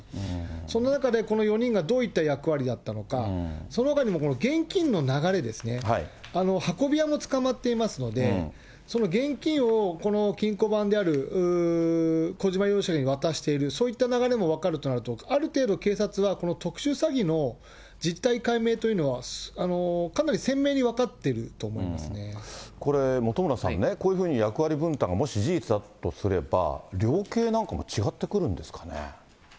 その中でこの４人がどういった役割だったのか、そのほかにもこの現金の流れですね、運び屋も捕まっていますので、その現金をこの金庫番である小島容疑者に渡している、そういった流れも分かるとなると、ある程度、警察はこの特殊詐欺の実態解明というのはかなり鮮明に分かっていこれ、本村さんね、こういうふうに役割分担がもし事実だとすれば、量刑なんかも違ってくるんですかね。